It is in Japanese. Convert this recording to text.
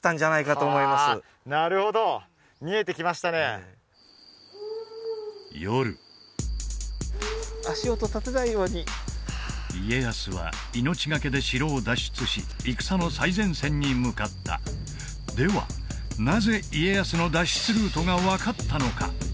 あなるほど夜家康は命懸けで城を脱出し戦の最前線に向かったではなぜ家康の脱出ルートが分かったのか？